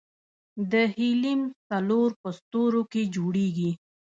د هیلیم څلور په ستورو کې جوړېږي.